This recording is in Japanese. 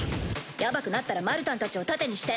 やばくなったらマルタンたちを盾にして。